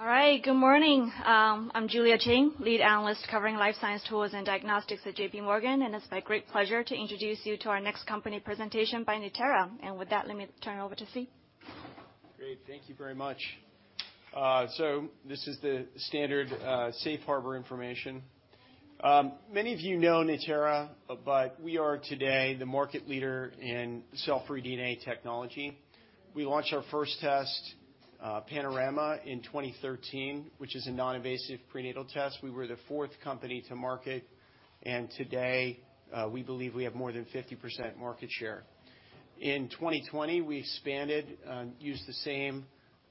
All right. Good morning. I'm Julia Qin, lead analyst covering life science tools and diagnostics at JPMorgan. It's my great pleasure to introduce you to our next company presentation by Natera. With that, let me turn it over to Steve. Great. Thank you very much. This is the standard safe harbor information. Many of you know Natera, we are today the market leader in cell-free DNA technology. We launched our first test, Panorama, in 2013, which is a non-invasive prenatal test. We were the fourth company to market, today, we believe we have more than 50% market share. In 2020, we expanded, used the same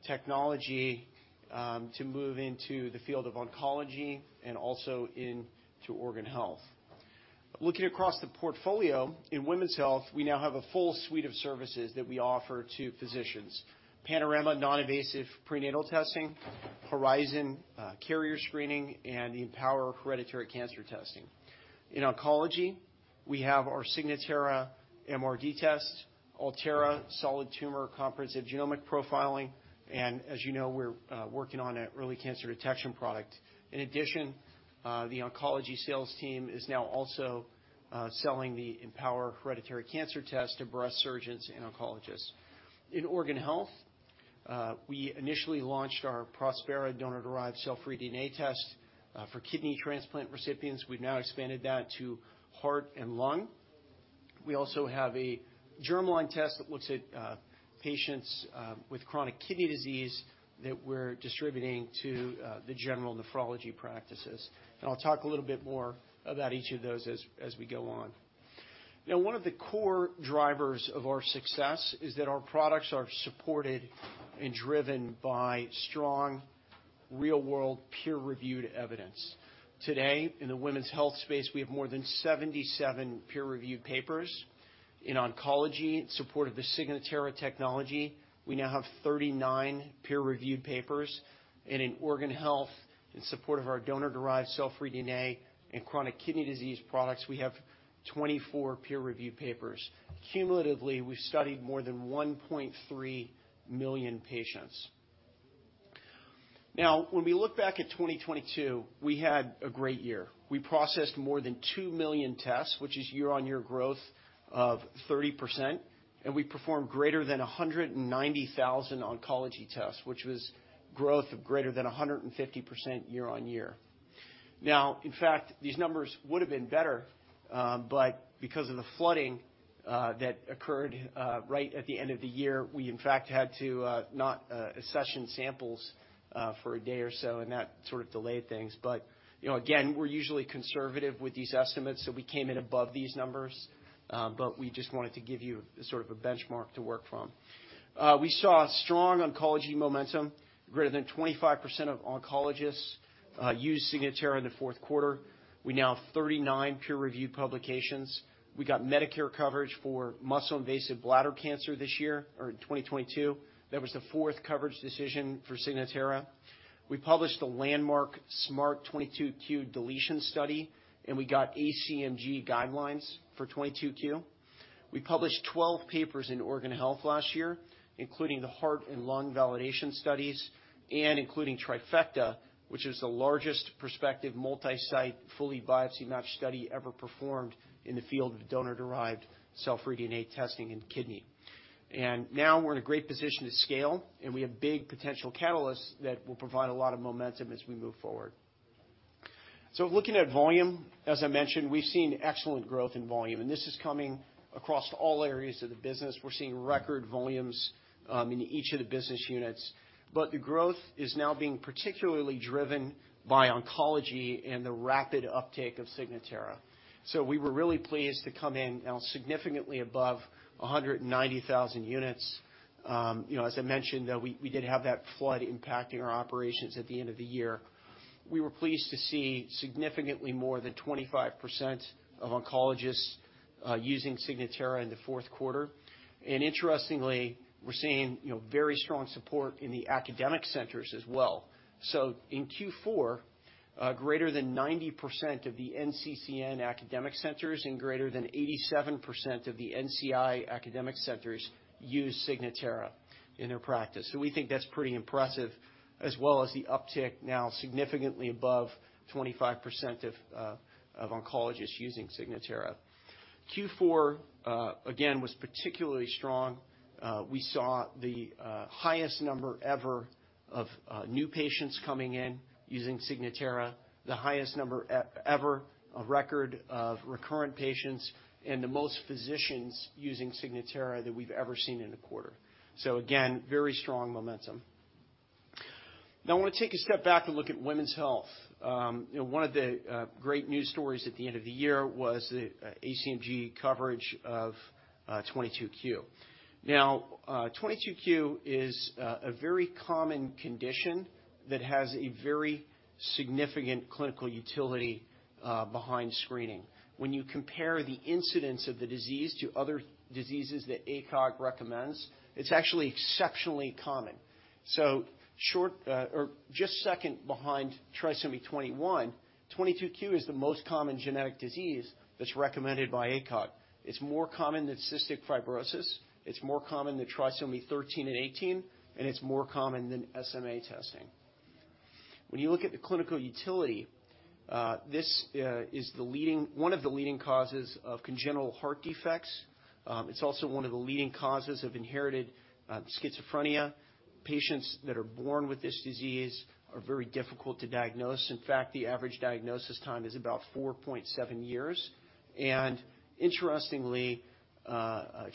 technology, to move into the field of oncology and also into organ health. Looking across the portfolio, in women's health, we now have a full suite of services that we offer to physicians: Panorama non-invasive prenatal testing, Horizon carrier screening, and the Empower hereditary cancer testing. In oncology, we have our Signatera MRD test, Altera solid tumor comprehensive genomic profiling, and as you know, we're working on an early cancer detection product. In addition, the oncology sales team is now also selling the Empower hereditary cancer test to breast surgeons and oncologists. In organ health, we initially launched our Prospera donor-derived cell-free DNA test for kidney transplant recipients. We've now expanded that to heart and lung. We also have a germline test that looks at patients with chronic kidney disease that we're distributing to the general nephrology practices. I'll talk a little bit more about each of those as we go on. One of the core drivers of our success is that our products are supported and driven by strong, real-world, peer-reviewed evidence. Today, in the women's health space, we have more than 77 peer-reviewed papers. In oncology, in support of the Signatera technology, we now have 39 peer-reviewed papers. In organ health, in support of our donor-derived cell-free DNA and chronic kidney disease products, we have 24 peer-reviewed papers. Cumulatively, we've studied more than 1.3 million patients. When we look back at 2022, we had a great year. We processed more than 2 million tests, which is year-on-year growth of 30%, and we performed greater than 190,000 oncology tests, which was growth of greater than 150% year-on-year. In fact, these numbers would've been better, but because of the flooding that occurred right at the end of the year, we in fact had to not session samples for a day or so, and that sort of delayed things. You know, again, we're usually conservative with these estimates, so we came in above these numbers, but we just wanted to give you sort of a benchmark to work from. We saw strong oncology momentum. Greater than 25% of oncologists used Signatera in the fourth quarter. We now have 39 peer-reviewed publications. We got Medicare coverage for muscle-invasive bladder cancer this year, or in 2022. That was the fourth coverage decision for Signatera. We published a landmark SMART 22q deletion study, and we got ACMG guidelines for 22q. We published 12 papers in organ health last year, including the heart and lung validation studies and including Trifecta, which is the largest prospective multi-site fully biopsy match study ever performed in the field of donor-derived cell-free DNA testing in kidney. Now we're in a great position to scale, and we have big potential catalysts that will provide a lot of momentum as we move forward. Looking at volume, as I mentioned, we've seen excellent growth in volume, and this is coming across all areas of the business. We're seeing record volumes in each of the business units. The growth is now being particularly driven by oncology and the rapid uptake of Signatera. We were really pleased to come in now significantly above 190,000 units. You know, as I mentioned, though, we did have that flood impacting our operations at the end of the year. We were pleased to see significantly more than 25% of oncologists using Signatera in the fourth quarter. Interestingly, we're seeing, you know, very strong support in the academic centers as well. In Q4, greater than 90% of the NCCN academic centers and greater than 87% of the NCI academic centers use Signatera in their practice. We think that's pretty impressive, as well as the uptick now significantly above 25% of oncologists using Signatera. Q4 again was particularly strong. We saw the highest number ever of new patients coming in using Signatera, the highest number ever, a record of recurrent patients, and the most physicians using Signatera that we've ever seen in a quarter. Again, very strong momentum. Now I want to take a step back and look at women's health. You know, one of the great news stories at the end of the year was the ACMG coverage of 22q. 22q is a very common condition that has a very significant clinical utility behind screening. When you compare the incidence of the disease to other diseases that ACOG recommends, it's actually exceptionally common. Short, or just second behind trisomy 21, 22q is the most common genetic disease that's recommended by ACOG. It's more common than cystic fibrosis, it's more common than trisomy 13 and 18, and it's more common than SMA testing. When you look at the clinical utility, this is one of the leading causes of congenital heart defects. It's also one of the leading causes of inherited schizophrenia. Patients that are born with this disease are very difficult to diagnose. In fact, the average diagnosis time is about 4.7 years. Interestingly,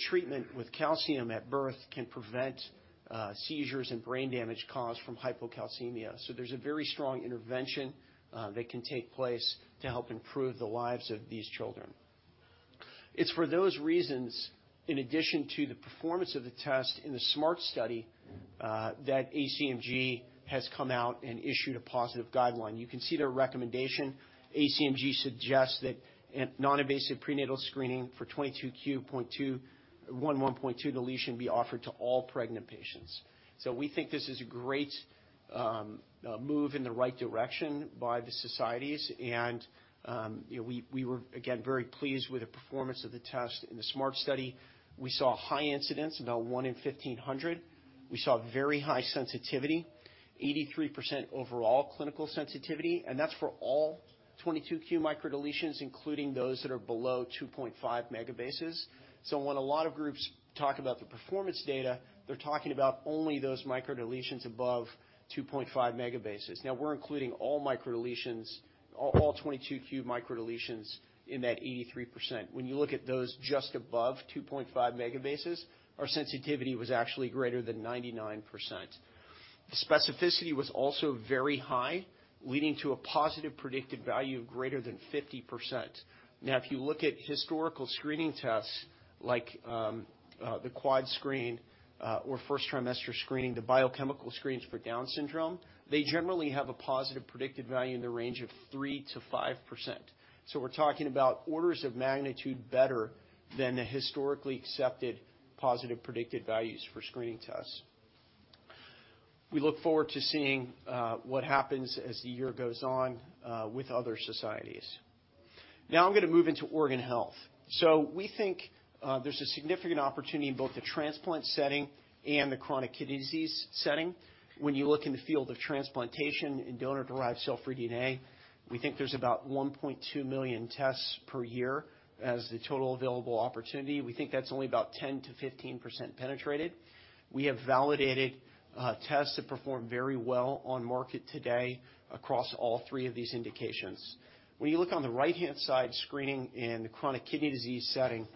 treatment with calcium at birth can prevent seizures and brain damage caused from hypocalcemia. There's a very strong intervention that can take place to help improve the lives of these children. It's for those reasons, in addition to the performance of the test in the Smart Study, that ACMG has come out and issued a positive guideline. You can see their recommendation. ACMG suggests that an non-invasive prenatal screening for 22q11.2 deletion be offered to all pregnant patients. We think this is a great move in the right direction by the societies. You know, we were, again, very pleased with the performance of the test in the Smart Study. We saw high incidence, about 1 in 1,500. We saw very high sensitivity, 83% overall clinical sensitivity, that's for all 22q microdeletions, including those that are below 2.5 Mb. When a lot of groups talk about the performance data, they're talking about only those microdeletions above 2.5 Mb. We're including all microdeletions, all 22q microdeletions in that 83%. When you look at those just above 2.5 Mb, our sensitivity was actually greater than 99%. The specificity was also very high, leading to a positive predictive value of greater than 50%. If you look at historical screening tests like the Quad Screen, or first trimester screening, the biochemical screens for Down syndrome, they generally have a positive predictive value in the range of 3%-5%. We're talking about orders of magnitude better than the historically accepted positive predictive values for screening tests. We look forward to seeing what happens as the year goes on with other societies. Now I'm gonna move into organ health. We think there's a significant opportunity in both the transplant setting and the chronic kidney disease setting. When you look in the field of transplantation in donor-derived cell-free DNA, we think there's about 1.2 million tests per year as the total available opportunity. We think that's only about 10%-15% penetrated. We have validated tests that perform very well on market today across all three of these indications. When you look on the right-hand side, screening in the chronic kidney disease setting,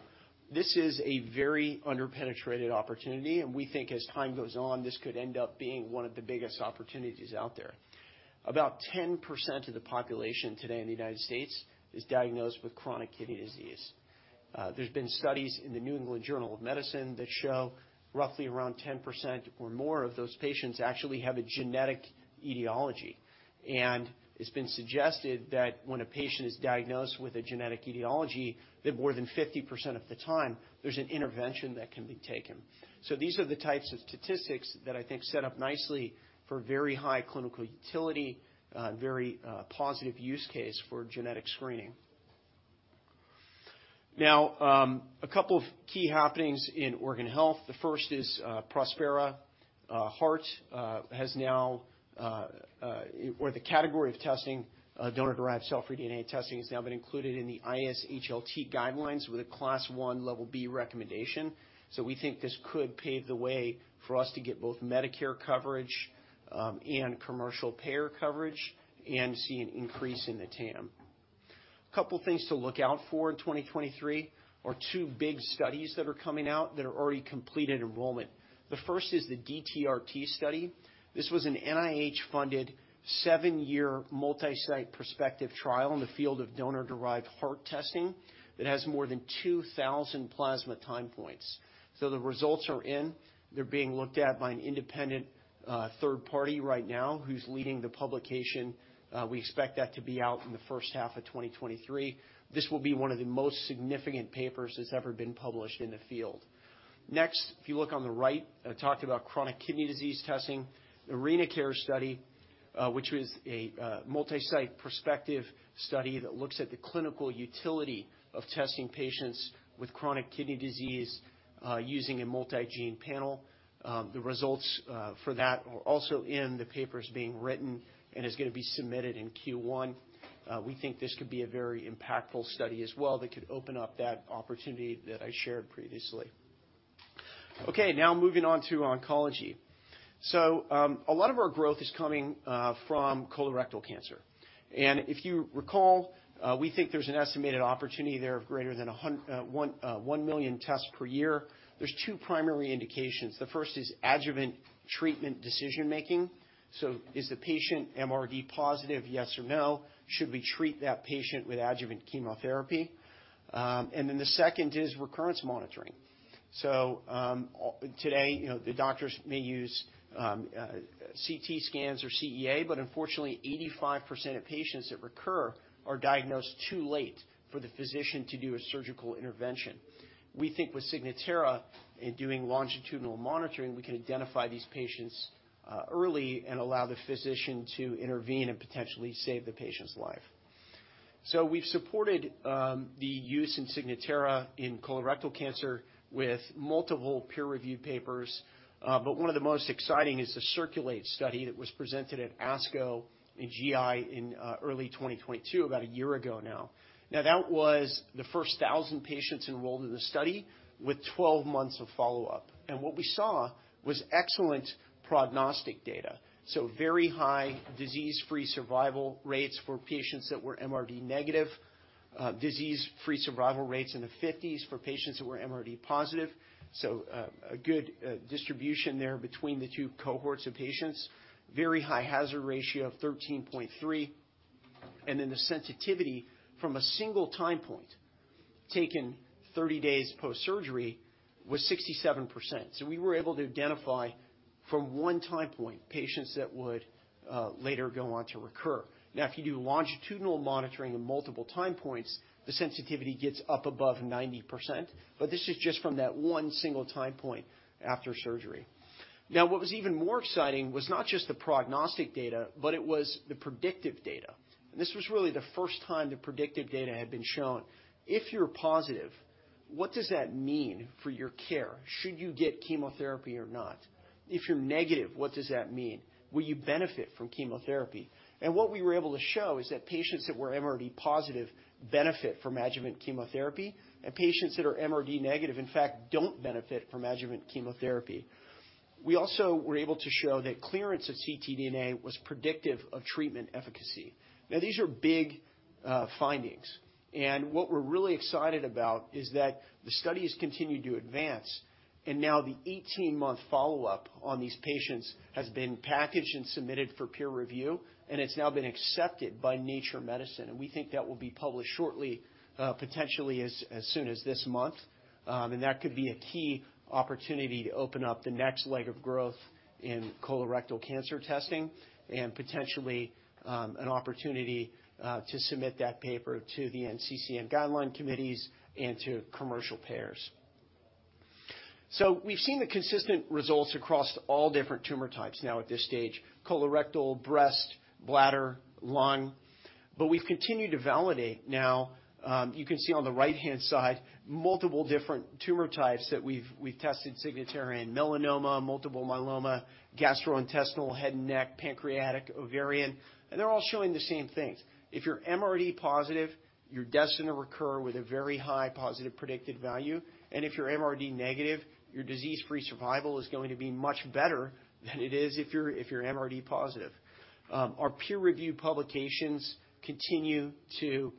this is a very under-penetrated opportunity, and we think as time goes on, this could end up being one of the biggest opportunities out there. About 10% of the population today in the United States is diagnosed with chronic kidney disease. There's been studies in The New England Journal of Medicine that show roughly around 10% or more of those patients actually have a genetic etiology. It's been suggested that when a patient is diagnosed with a genetic etiology, that more than 50% of the time, there's an intervention that can be taken. These are the types of statistics that I think set up nicely for very high clinical utility, very positive use case for genetic screening. Now, a couple of key happenings in organ health. The first is Prospera. Heart has now or the category of testing donor-derived cell-free DNA testing has now been included in the ISHLT guidelines with a Class one, level B recommendation. We think this could pave the way for us to get both Medicare coverage and commercial payer coverage and see an increase in the TAM. Couple things to look out for in 2023 are two big studies that are coming out that are already completed enrollment. The first is the DTRT study. This was an NIH-funded seven-year multi-site prospective trial in the field of donor-derived heart testing that has more than 2,000 plasma time points. The results are in. They're being looked at by an independent third party right now who's leading the publication. We expect that to be out in the first half of 2023. This will be one of the most significant papers that's ever been published in the field. If you look on the right, I talked about chronic kidney disease testing. The RenaCARE study, which was a multi-site prospective study that looks at the clinical utility of testing patients with chronic kidney disease, using a multi-gene panel. The results for that are also in. The paper is being written and is gonna be submitted in Q1. We think this could be a very impactful study as well that could open up that opportunity that I shared previously. Now moving on to oncology. A lot of our growth is coming from colorectal cancer. If you recall, we think there's an estimated opportunity there of greater than 1 million tests per year. There's two primary indications. The first is adjuvant treatment decision-making. Is the patient MRD positive, yes or no? Should we treat that patient with adjuvant chemotherapy? Then the second is recurrence monitoring. Today, you know, the doctors may use CT scans or CEA, unfortunately, 85% of patients that recur are diagnosed too late for the physician to do a surgical intervention. We think with Signatera and doing longitudinal monitoring, we can identify these patients, early and allow the physician to intervene and potentially save the patient's life. We've supported the use in Signatera in colorectal cancer with multiple peer-reviewed papers, but one of the most exciting is the CIRCULATE study that was presented at ASCO in GI in early 2022, about a year ago now. That was the first 1,000 patients enrolled in the study with 12 months of follow-up, and what we saw was excellent prognostic data. Very high disease-free survival rates for patients that were MRD negative, disease-free survival rates in the 50s for patients that were MRD positive. A good distribution there between the two cohorts of patients. Very high hazard ratio of 13.3, and then the sensitivity from a single time point taken 30 days post-surgery was 67%. We were able to identify from one time point patients that would later go on to recur. If you do longitudinal monitoring of multiple time points, the sensitivity gets up above 90%, but this is just from that one single time point after surgery. What was even more exciting was not just the prognostic data, but it was the predictive data, and this was really the first time the predictive data had been shown. If you're positive, what does that mean for your care? Should you get chemotherapy or not? If you're negative, what does that mean? Will you benefit from chemotherapy? What we were able to show is that patients that were MRD positive benefit from adjuvant chemotherapy, and patients that are MRD negative, in fact, don't benefit from adjuvant chemotherapy. We also were able to show that clearance of ctDNA was predictive of treatment efficacy. These are big findings, and what we're really excited about is that the study has continued to advance, and now the 18-month follow-up on these patients has been packaged and submitted for peer review, and it's now been accepted by Nature Medicine, and we think that will be published shortly, potentially as soon as this month. That could be a key opportunity to open up the next leg of growth in colorectal cancer testing and potentially an opportunity to submit that paper to the NCCN guideline committees and to commercial payers. We've seen the consistent results across all different tumor types now at this stage, colorectal, breast, bladder, lung, but we've continued to validate now, you can see on the right-hand side, multiple different tumor types that we've tested Signatera in, melanoma, multiple myeloma, gastrointestinal, head and neck, pancreatic, ovarian, and they're all showing the same things. If you're MRD positive, you're destined to recur with a very high positive predictive value, and if you're MRD negative, your disease-free survival is going to be much better than it is if you're MRD positive. Our peer-reviewed publications continue to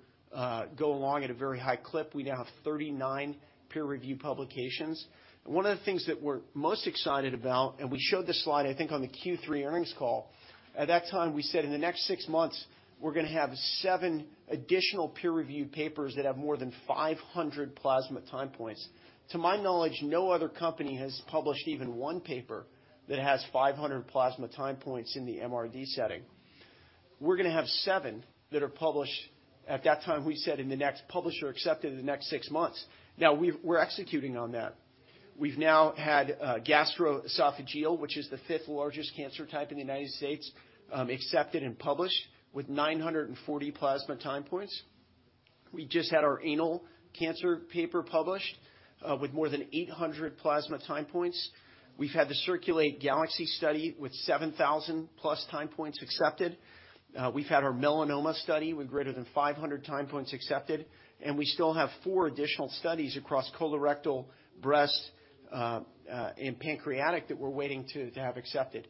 go along at a very high clip. We now have 39 peer-reviewed publications. One of the things that we're most excited about, and we showed this slide, I think, on the Q3 earnings call, at that time, we said in the next 6 months, we're gonna have 7 additional peer-reviewed papers that have more than 500 plasma time points. To my knowledge, no other company has published even 1 paper that has 500 plasma time points in the MRD setting. We're gonna have 7 that are published, at that time, we said in the next publisher accepted in the next 6 months. Now we're executing on that. We've now had gastroesophageal, which is the fifth largest cancer type in the United States, accepted and published with 940 plasma time points. We just had our anal cancer paper published with more than 800 plasma time points. We've had the CIRCULATE-Galaxy study with 7,000+ time points accepted. We've had our melanoma study with greater than 500 time points accepted, and we still have 4 additional studies across colorectal, breast, and pancreatic that we're waiting to have accepted.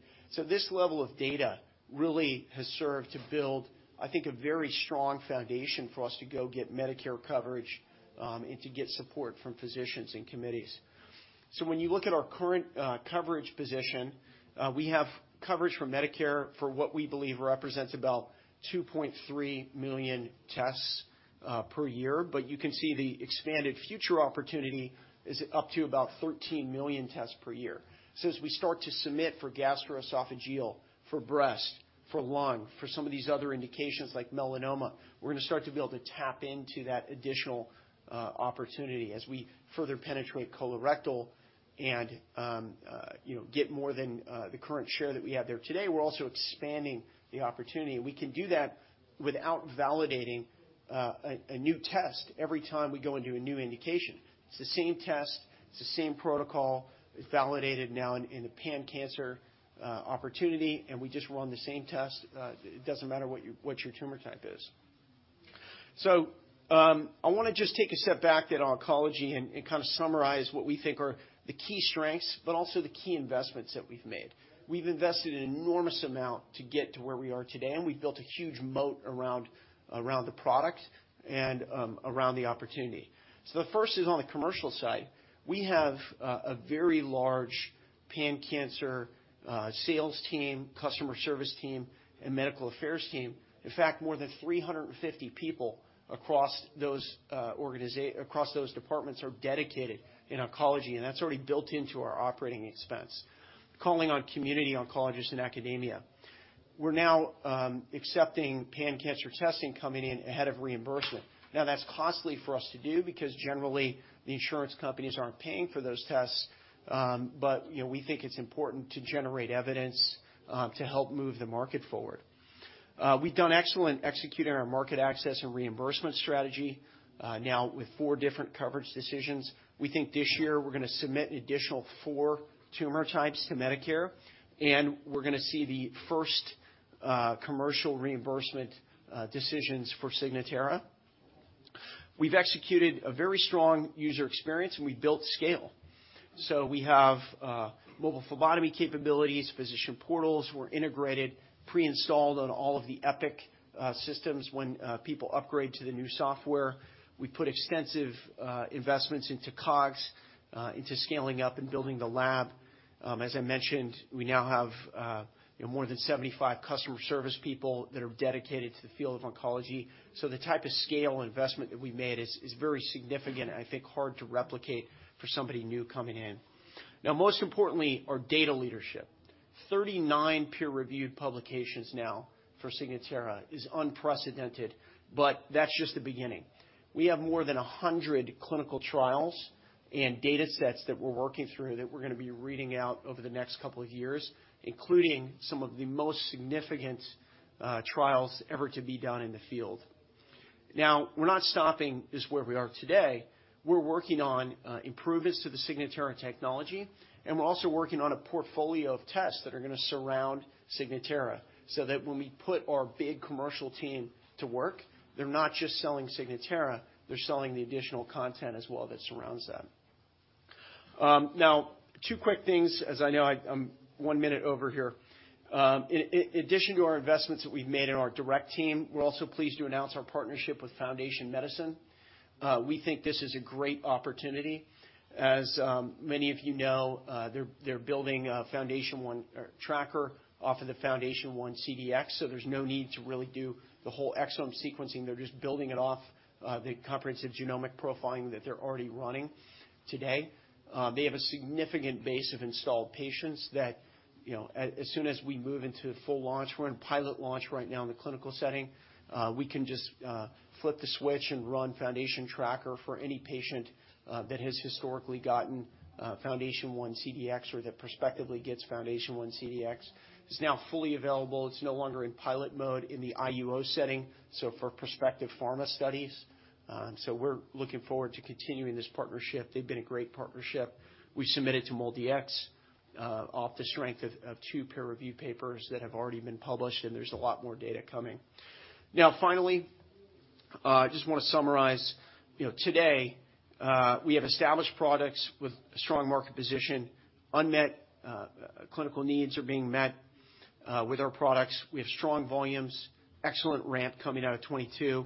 This level of data really has served to build, I think, a very strong foundation for us to go get Medicare coverage, and to get support from physicians and committees. When you look at our current coverage position, we have coverage from Medicare for what we believe represents about 2.3 million tests per year. You can see the expanded future opportunity is up to about 13 million tests per year. As we start to submit for gastroesophageal, for breast, for lung, for some of these other indications like melanoma, we're gonna start to be able to tap into that additional opportunity as we further penetrate colorectal and, you know, get more than the current share that we have there today. We're also expanding the opportunity, and we can do that without validating a new test every time we go and do a new indication. It's the same test, it's the same protocol. It's validated now in a pan-cancer opportunity, and we just run the same test. It doesn't matter what your tumor type is. I wanna just take a step back at oncology and kind of summarize what we think are the key strengths, but also the key investments that we've made. We've invested an enormous amount to get to where we are today, and we've built a huge moat around the product and around the opportunity. The first is on the commercial side. We have a very large pan-cancer sales team, customer service team, and medical affairs team. In fact, more than 350 people across those departments are dedicated in oncology, and that's already built into our operating expense. Calling on community oncologists in academia. We're now accepting pan-cancer testing coming in ahead of reimbursement. Now, that's costly for us to do because generally the insurance companies aren't paying for those tests, but, you know, we think it's important to generate evidence to help move the market forward. We've done excellent executing our market access and reimbursement strategy, now with four different coverage decisions. We think this year we're gonna submit an additional four tumor types to Medicare, and we're gonna see the first commercial reimbursement decisions for Signatera. We've executed a very strong user experience, and we've built scale. We have mobile phlebotomy capabilities. Physician portals were integrated, pre-installed on all of the Epic systems when people upgrade to the new software. We put extensive investments into COGS, into scaling up and building the lab. As I mentioned, we now have, you know, more than 75 customer service people that are dedicated to the field of oncology. The type of scale investment that we made is very significant, I think hard to replicate for somebody new coming in. Now, most importantly, our data leadership. 39 peer-reviewed publications now for Signatera is unprecedented, but that's just the beginning. We have more than 100 clinical trials and datasets that we're working through that we're gonna be reading out over the next couple of years, including some of the most significant trials ever to be done in the field. We're not stopping just where we are today. We're working on improvements to the Signatera technology, and we're also working on a portfolio of tests that are gonna surround Signatera so that when we put our big commercial team to work, they're not just selling Signatera, they're selling the additional content as well that surrounds that. Two quick things as I know I'm 1 minute over here. In addition to our investments that we've made in our direct team, we're also pleased to announce our partnership with Foundation Medicine. We think this is a great opportunity. Many of you know, they're building a FoundationOne or Tracker off of the FoundationOne CDx, so there's no need to really do the whole exome sequencing. They're just building it off the comprehensive genomic profiling that they're already running today. They have a significant base of installed patients that, you know, as soon as we move into full launch, we're in pilot launch right now in the clinical setting, we can just flip the switch and run Foundation Tracker for any patient that has historically gotten FoundationOne CDx or that perspectively gets FoundationOne CDx. It's now fully available. It's no longer in pilot mode in the IUO setting, so for prospective pharma studies. We're looking forward to continuing this partnership. They've been a great partnership. We submitted to MolDX off the strength of two peer review papers that have already been published. There's a lot more data coming. Finally, I just wanna summarize. You know, today, we have established products with strong market position. Unmet clinical needs are being met with our products. We have strong volumes, excellent ramp coming out of 2022.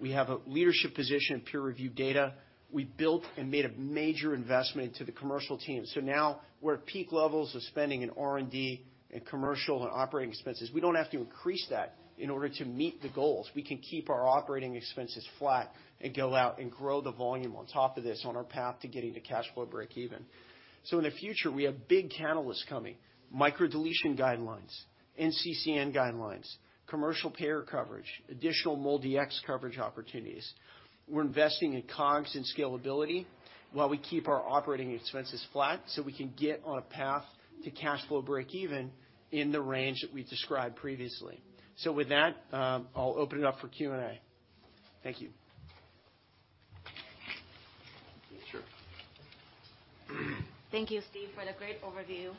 We have a leadership position in peer review data. We built and made a major investment into the commercial team. Now we're at peak levels of spending in R&D and commercial and operating expenses. We don't have to increase that in order to meet the goals. We can keep our operating expenses flat and go out and grow the volume on top of this on our path to getting to cash flow break even. In the future, we have big catalysts coming, microdeletions guidelines, NCCN guidelines, commercial payer coverage, additional MolDX coverage opportunities. We're investing in COGS and scalability while we keep our operating expenses flat, so we can get on a path to cash flow break even in the range that we described previously. With that, I'll open it up for Q&A. Thank you. Sure. Thank you, Steve, for the great overview.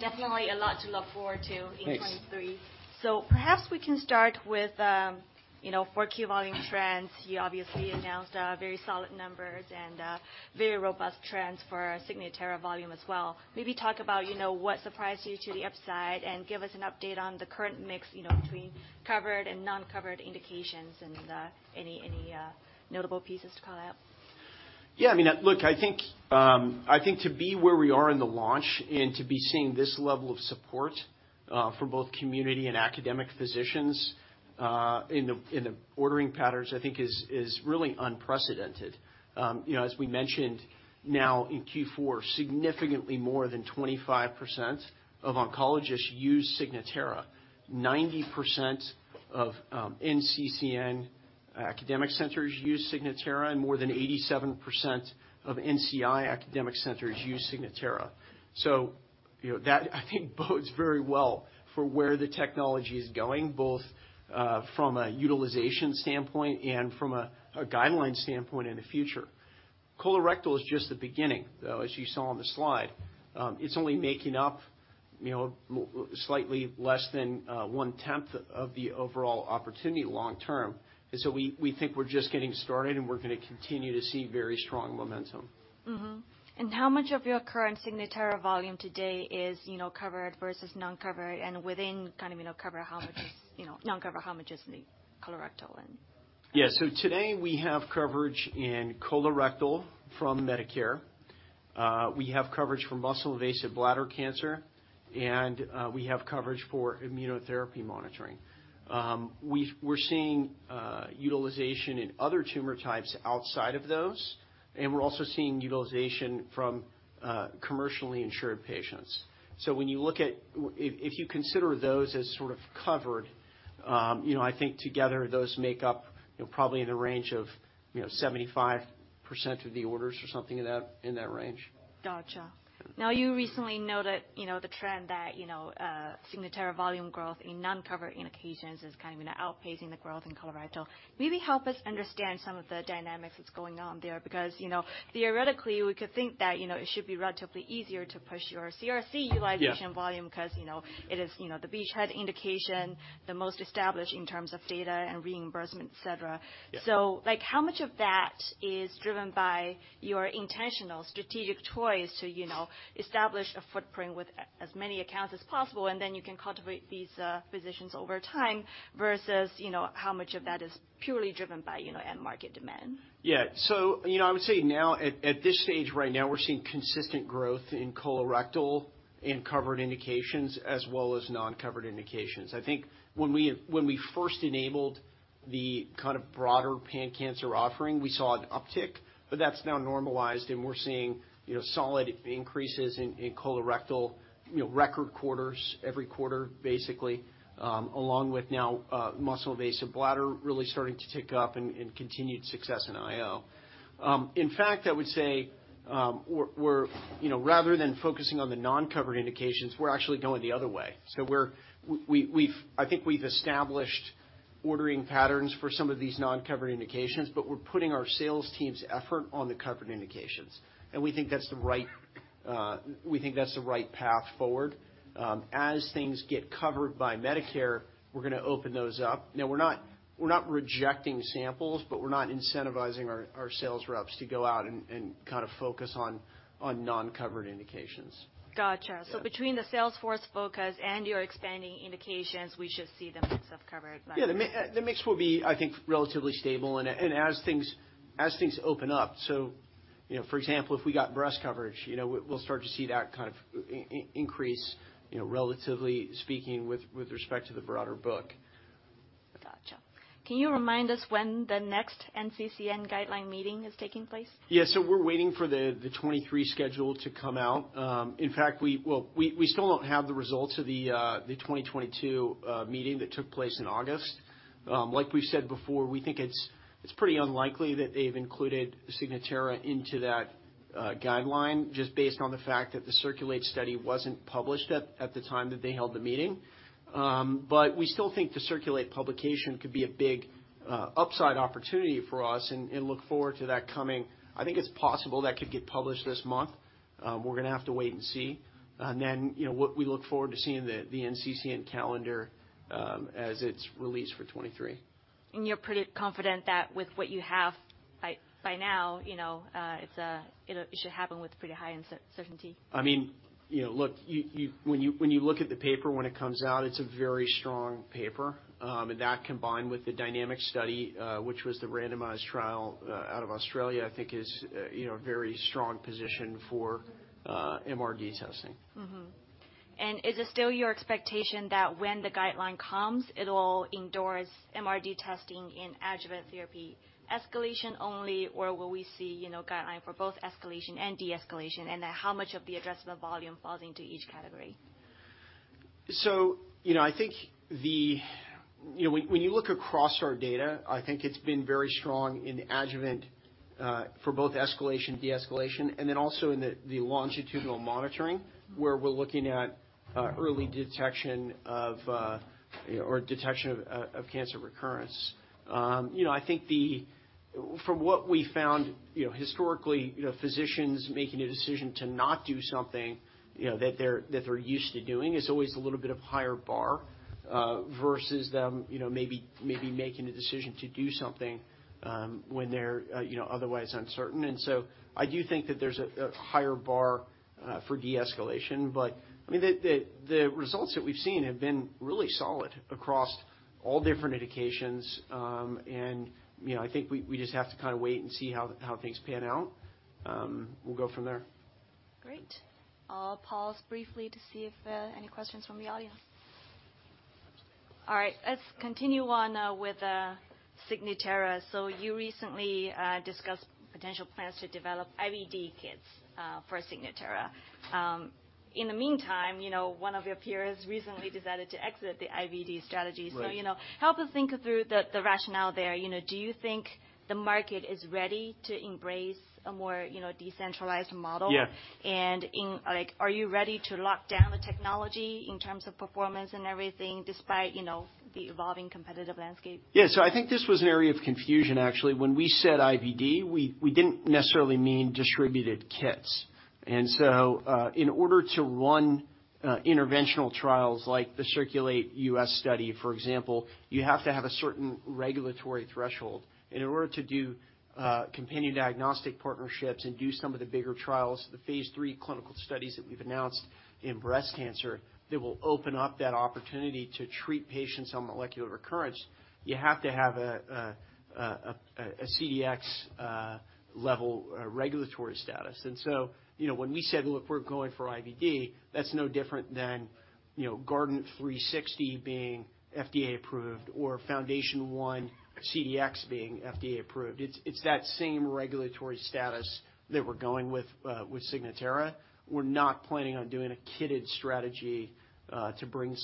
Definitely a lot to look forward to in 2023. Thanks. Perhaps we can start with, you know, 4Q volume trends. You obviously announced very solid numbers and very robust trends for Signatera volume as well. Maybe talk about, you know, what surprised you to the upside, and give us an update on the current mix, you know, between covered and non-covered indications and, any notable pieces to call out? Yeah, I mean, look, I think to be where we are in the launch and to be seeing this level of support from both community and academic physicians in the ordering patterns, I think is really unprecedented. you know, as we mentioned now in Q4, significantly more than 25% of oncologists use Signatera. 90% of NCCN academic centers use Signatera, and more than 87% of NCI academic centers use Signatera. you know, that I think bodes very well for where the technology is going, both from a utilization standpoint and from a guideline standpoint in the future. Colorectal is just the beginning, though, as you saw on the slide. it's only making up, you know, slightly less than one-tenth of the overall opportunity long term. We think we're just getting started, and we're gonna continue to see very strong momentum. How much of your current Signatera volume today is, you know, covered versus non-covered? You know, non-cover, how much is the colorectal. Yeah. Today we have coverage in colorectal from Medicare. We have coverage for muscle-invasive bladder cancer, and we have coverage for immunotherapy monitoring. We're seeing utilization in other tumor types outside of those, and we're also seeing utilization from commercially insured patients. If you consider those as sort of covered, you know, I think together those make up, you know, probably in the range of, you know, 75% of the orders or something of that, in that range. Gotcha. You recently noted, you know, the trend that, you know, Signatera volume growth in non-covered indications is kind of outpacing the growth in colorectal. Help us understand some of the dynamics that's going on there, because, you know, theoretically, we could think that, you know, it should be relatively easier to push your CRC utilization. Yeah. volume 'cause, you know, it is, you know, the beachhead indication, the most established in terms of data and reimbursement, et cetera. Yeah. Like, how much of that is driven by your intentional strategic choice to, you know, establish a footprint with as many accounts as possible, and then you can cultivate these physicians over time versus, you know, how much of that is purely driven by, you know, end market demand? Yeah. You know, I would say now at this stage right now, we're seeing consistent growth in colorectal in covered indications as well as non-covered indications. I think when we first enabled the kind of broader pan-cancer offering, we saw an uptick, but that's now normalized and we're seeing, you know, solid increases in colorectal, you know, record quarters every quarter basically, along with now muscle-invasive bladder really starting to tick up and continued success in IO. In fact, I would say, you know, rather than focusing on the non-covered indications, we're actually going the other way. I think we've established ordering patterns for some of these non-covered indications, but we're putting our sales team's effort on the covered indications, and we think that's the right path forward. As things get covered by Medicare, we're gonna open those up. You know, we're not rejecting samples, but we're not incentivizing our sales reps to go out and kind of focus on non-covered indications. Gotcha. Yeah. Between the sales force focus and your expanding indications, we should see the mix of covered better. Yeah. The mix will be, I think, relatively stable and as things open up. You know, for example, if we got breast coverage, you know, we'll start to see that kind of increase, you know, relatively speaking with respect to the broader book. Gotcha. Can you remind us when the next NCCN guideline meeting is taking place? We're waiting for the 2023 schedule to come out. In fact, we still don't have the results of the 2022 meeting that took place in August. Like we've said before, we think it's pretty unlikely that they've included Signatera into that guideline just based on the fact that the Circulate study wasn't published at the time that they held the meeting. We still think the Circulate publication could be a big upside opportunity for us and look forward to that coming. I think it's possible that could get published this month. We're gonna have to wait and see. You know, what we look forward to seeing the NCCN calendar as it's released for 2023. You're pretty confident that with what you have by now, you know, It should happen with pretty high certainty? I mean, you know, look, When you look at the paper when it comes out, it's a very strong paper. That combined with the DYNAMIC trial, which was the randomized trial out of Australia, I think is, you know, a very strong position for MRD testing. Mm-hmm. Is it still your expectation that when the guideline comes, it'll endorse MRD testing in adjuvant therapy escalation only, or will we see, you know, guideline for both escalation and de-escalation? How much of the addressable volume falls into each category? You know, I think, you know, when you look across our data, I think it's been very strong in adjuvant, for both escalation, de-escalation, and then also in the longitudinal monitoring where we're looking at, early detection of, or detection of cancer recurrence. You know, I think from what we found, you know, historically, physicians making a decision to not do something, you know, that they're used to doing is always a little bit of higher bar, versus them, you know, maybe making a decision to do something, when they're, you know, otherwise uncertain. I do think that there's a higher bar for de-escalation. I mean, the results that we've seen have been really solid across all different indications. you know, I think we just have to kind of wait and see how things pan out. We'll go from there. Great. I'll pause briefly to see if there are any questions from the audience. All right, let's continue on with Signatera. You recently discussed potential plans to develop IVD kits for Signatera. In the meantime, you know, one of your peers recently decided to exit the IVD strategy. Right. You know, help us think through the rationale there. You know, do you think the market is ready to embrace a more, you know, decentralized model? Yeah. Like, are you ready to lock down the technology in terms of performance and everything despite, you know, the evolving competitive landscape? I think this was an area of confusion actually. When we said IVD, we didn't necessarily mean distributed kits. In order to run interventional trials like the CIRCULATE-US study, for example, you have to have a certain regulatory threshold. In order to do companion diagnostic partnerships and do some of the bigger trials, the Phase III clinical studies that we've announced in breast cancer that will open up that opportunity to treat patients on molecular recurrence, you have to have a CDX level regulatory status. you know, when we said, "Look, we're going for IVD," that's no different than, you know, Guardant360 CDx being FDA approved or FoundationOne CDx being FDA approved. It's that same regulatory status that we're going with Signatera. We're not planning on doing a kitted strategy, to bring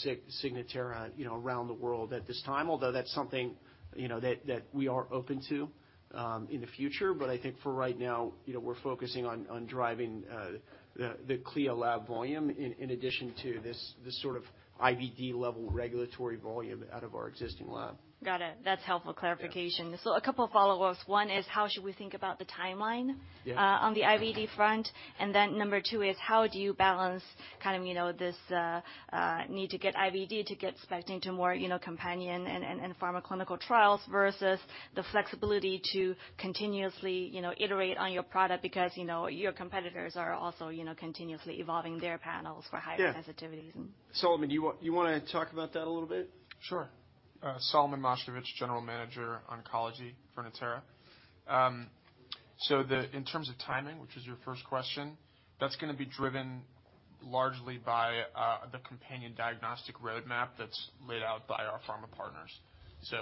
Signatera, you know, around the world at this time, although that's something, you know, that we are open to, in the future. I think for right now, you know, we're focusing on driving, the CLIA lab volume in addition to this sort of IVD-level regulatory volume out of our existing lab. Got it. That's helpful clarification. Yeah. A couple follow-ups. one is, how should we think about the timeline? Yeah. on the IVD front? Number two is, how do you balance kind of, you know, this, need to get IVD to get into more, you know, companion and pharmaclinical trials versus the flexibility to continuously, you know, iterate on your product because, you know, your competitors are also, you know, continuously evolving their panels for higher-. Yeah. sensitivities and Solomon, do you wanna talk about that a little bit? Sure. Solomon Moshkevich, general manager, oncology for Natera. In terms of timing, which is your first question, that's gonna be driven largely by the companion diagnostic roadmap that's laid out by our pharma partners.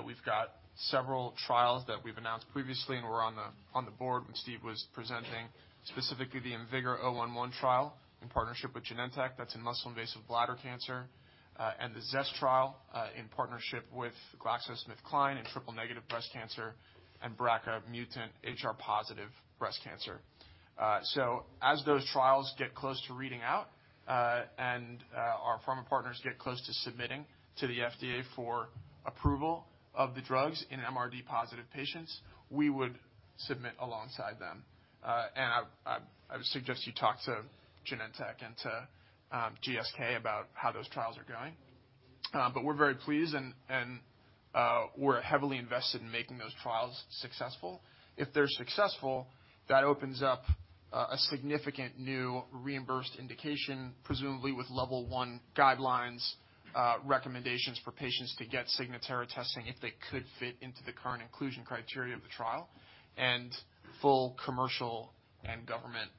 We've got several trials that we've announced previously, and were on the, on the board when Steve was presenting, specifically the IMvigor011 trial in partnership with Genentech, that's in muscle-invasive bladder cancer, and the ZEST trial, in partnership with GlaxoSmithKline in triple negative breast cancer and BRCA mutant HR positive breast cancer. As those trials get close to reading out, and our pharma partners get close to submitting to the FDA for approval of the drugs in MRD positive patients, we would submit alongside them. I would suggest you talk to Genentech and to GSK about how those trials are going. We're very pleased and we're heavily invested in making those trials successful. If they're successful, that opens up a significant new reimbursed indication, presumably with level one guidelines, recommendations for patients to get Signatera testing if they could fit into the current inclusion criteria of the trial, and full commercial and government,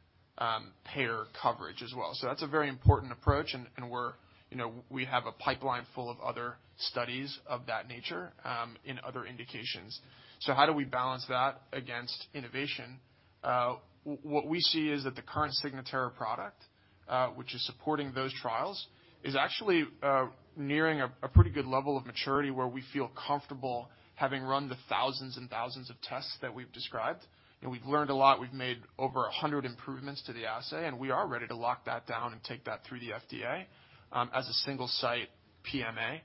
payer coverage as well. That's a very important approach and we're, you know, we have a pipeline full of other studies of that nature, in other indications. How do we balance that against innovation? What we see is that the current Signatera product, which is supporting those trials, is actually nearing a pretty good level of maturity where we feel comfortable having run the thousands and thousands of tests that we've described, and we've learned a lot. We've made over 100 improvements to the assay, and we are ready to lock that down and take that through the FDA, as a single site PMA,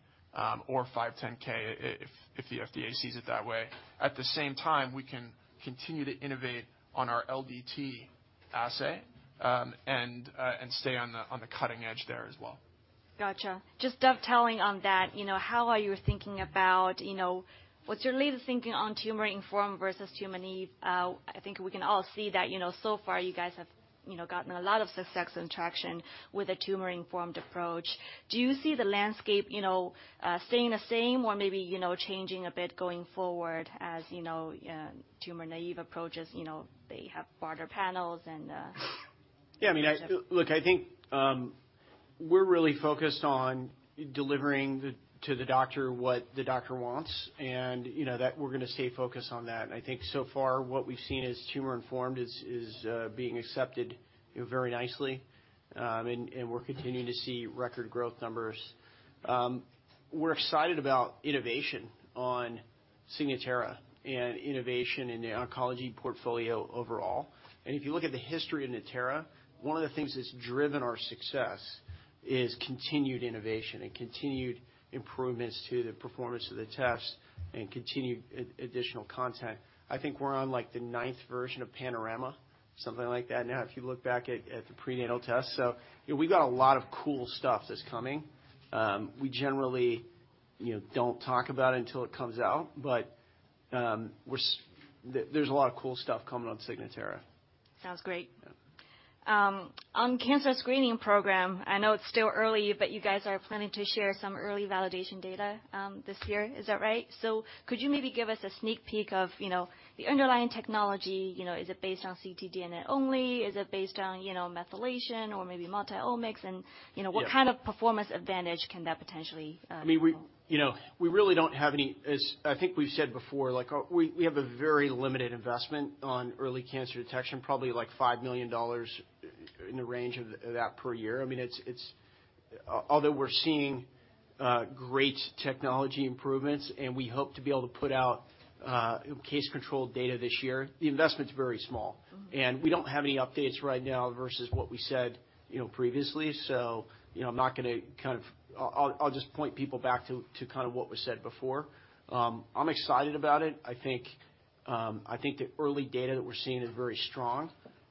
or 510K if the FDA sees it that way. At the same time, we can continue to innovate on our LDT assay, and stay on the cutting edge there as well. Gotcha. Just dovetailing on that, you know, how are you thinking about, you know, what's your latest thinking on tumor-informed versus tumor naive? I think we can all see that, you know, so far you guys have, you know, gotten a lot of success and traction with a tumor-informed approach. Do you see the landscape, you know, staying the same or maybe, you know, changing a bit going forward as, you know, tumor naive approaches, you know, they have broader panels and. Yeah, I mean, I look, I think, we're really focused on delivering the, to the doctor what the doctor wants and, you know, that we're gonna stay focused on that. I think so far what we've seen is tumor-informed is being accepted, you know, very nicely. And we're continuing to see record growth numbers. We're excited about innovation on Signatera and innovation in the oncology portfolio overall. If you look at the history of Natera, one of the things that's driven our success is continued innovation and continued improvements to the performance of the test and continued additional content. I think we're on, like, the ninth version of Panorama, something like that now, if you look back at the prenatal test. You know, we've got a lot of cool stuff that's coming. We generally, you know, don't talk about it until it comes out, but, there's a lot of cool stuff coming on Signatera. Sounds great. Yeah. On cancer screening program, I know it's still early, but you guys are planning to share some early validation data this year. Is that right? Could you maybe give us a sneak peek of the underlying technology? Is it based on ctDNA only? Is it based on methylation or maybe multi-omics? Yeah. What kind of performance advantage can that potentially, you know? I mean, we, you know, we really don't have any, as I think we've said before, like, we have a very limited investment on early cancer detection, probably like $5 million in the range of that per year. I mean, it's, although we're seeing great technology improvements and we hope to be able to put out case-controlled data this year, the investment's very small. Mm-hmm. We don't have any updates right now versus what we said, you know, previously. You know, I'll just point people back to kind of what was said before. I'm excited about it. I think the early data that we're seeing is very strong,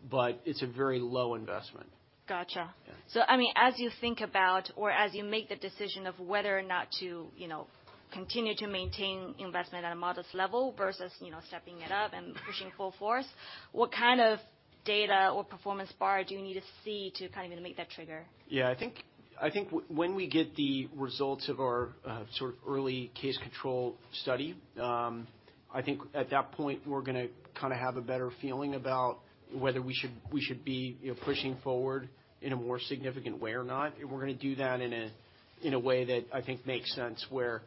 but it's a very low investment. Gotcha. Yeah. I mean, as you think about or as you make the decision of whether or not to, you know, continue to maintain investment at a modest level versus, you know, stepping it up and pushing full force, what kind of data or performance bar do you need to see to kind of gonna make that trigger? Yeah. I think, I think when we get the results of our sort of early case control study, I think at that point we're gonna kinda have a better feeling about whether we should be, you know, pushing forward in a more significant way or not. We're gonna do that in a way that I think makes sense, where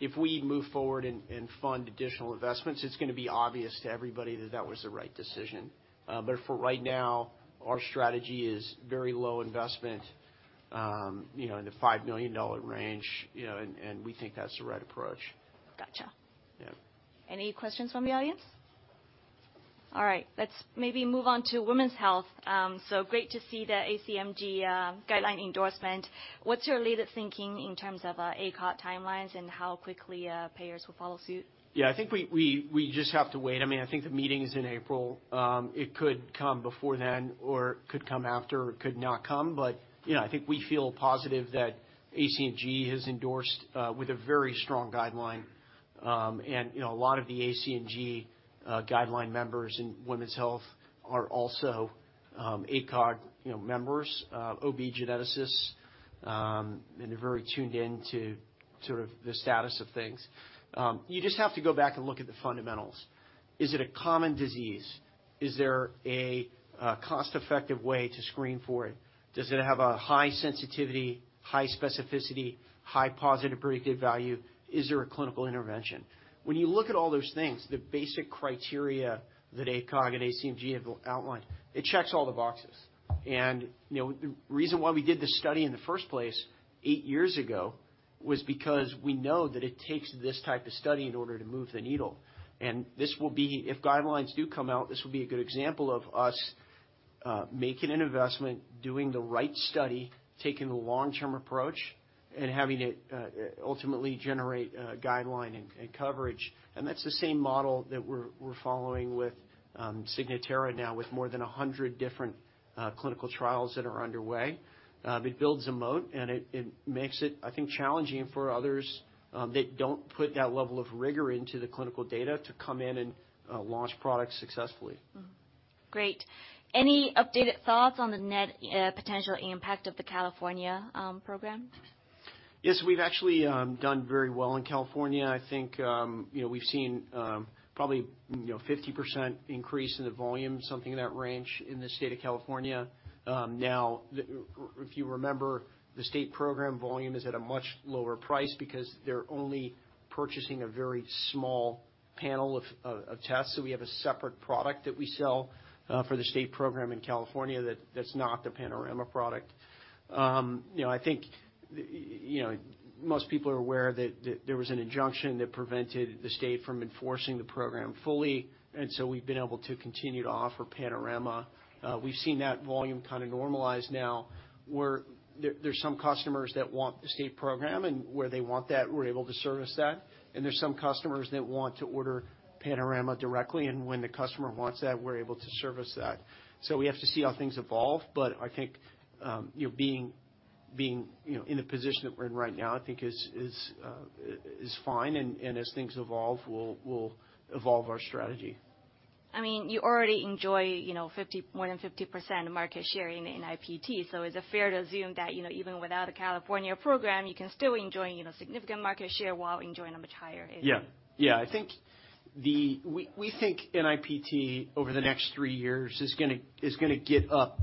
if we move forward and fund additional investments, it's gonna be obvious to everybody that that was the right decision. For right now, our strategy is very low investment, you know, in the $5 million range, you know, and we think that's the right approach. Gotcha. Yeah. Any questions from the audience? All right, let's maybe move on to women's health. Great to see the ACMG guideline endorsement. What's your latest thinking in terms of ACOG timelines and how quickly payers will follow suit? Yeah, I think we just have to wait. I mean, I think the meeting is in April. It could come before then or could come after or could not come. You know, I think we feel positive that ACOG has endorsed with a very strong guideline. You know, a lot of the ACOG guideline members in women's health are also ACOG, you know, members, OB geneticists, and are very tuned in to sort of the status of things. You just have to go back and look at the fundamentals. Is it a common disease? Is there a cost-effective way to screen for it? Does it have a high sensitivity, high specificity, high positive predictive value? Is there a clinical intervention? When you look at all those things, the basic criteria that ACOG and ACMG have outlined, it checks all the boxes. You know, the reason why we did this study in the first place eight years ago was because we know that it takes this type of study in order to move the needle. If guidelines do come out, this will be a good example of us making an investment, doing the right study, taking the long-term approach, and having it ultimately generate guideline and coverage. That's the same model that we're following with Signatera now, with more than 100 different clinical trials that are underway. it builds a moat, and it makes it, I think, challenging for others, that don't put that level of rigor into the clinical data to come in and launch products successfully. Mm-hmm. Great. Any updated thoughts on the net potential impact of the California program? We've actually done very well in California. I think, you know, we've seen, probably, you know, 50% increase in the volume, something in that range in the state of California. If you remember, the state program volume is at a much lower price because they're only purchasing a very small panel of tests. We have a separate product that we sell for the state program in California that's not the Panorama product. You know, I think, you know, most people are aware that there was an injunction that prevented the state from enforcing the program fully. We've been able to continue to offer Panorama. We've seen that volume kind of normalize now, where there's some customers that want the state program, and where they want that, we're able to service that. There's some customers that want to order Panorama directly, and when the customer wants that, we're able to service that. We have to see how things evolve, but I think, you know, being, you know, in the position that we're in right now, I think is fine, and as things evolve, we'll evolve our strategy. I mean, you already enjoy, you know, more than 50% of market share in NIPT. Is it fair to assume that, you know, even without a California program, you can still enjoy, you know, significant market share while enjoying a much higher AD? Yeah. Yeah. I think we think NIPT over the next three years is gonna get up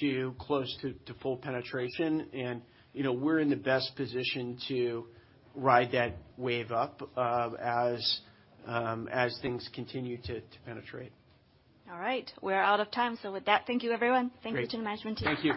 to close to full penetration and, you know, we're in the best position to ride that wave up as things continue to penetrate. All right. We're out of time. With that, thank you everyone. Great. Thank you to the management team. Thank you.